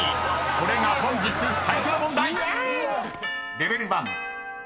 ［これが本日最初の問題！］